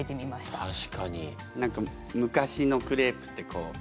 何か昔のクレープってたたんだ